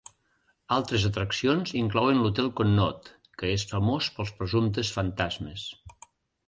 Altres atraccions inclouen l'Hotel Conneaut, que és famós pels presumptes fantasmes.